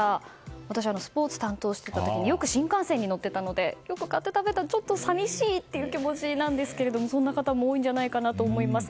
私、スポーツを担当していた時によく新幹線に乗っていたのでよく買って食べていたのでちょっと寂しい気持ちなんですがそんな方も多いんじゃないかと思います。